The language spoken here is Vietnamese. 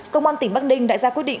công an tỉnh bắc ninh đã ra quyết định